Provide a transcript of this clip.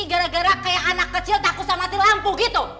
gara gara kayak anak kecil tak usah mati lampu gitu